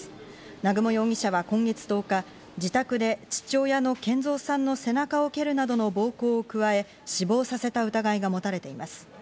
南雲容疑者は今月１０日、自宅で父親の賢蔵さんの背中を蹴るなどの暴行を加え死亡させた疑いが持たれています。